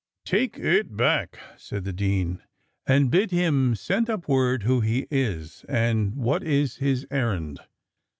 "Take it back," said the dean, "and bid him send up word who he is, and what is his errand."